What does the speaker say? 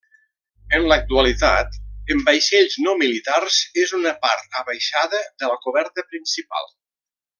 En l'actualitat en vaixells no militars és una part abaixada de la coberta principal.